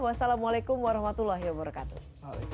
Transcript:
wassalamualaikum warahmatullahi wabarakatuh